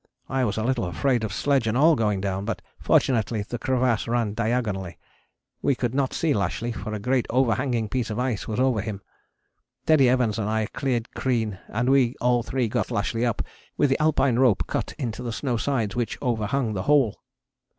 I was a little afraid of sledge and all going down, but fortunately the crevasse ran diagonally. We could not see Lashly, for a great overhanging piece of ice was over him. Teddy Evans and I cleared Crean and we all three got Lashly up with the Alpine rope cut into the snow sides which overhung the hole.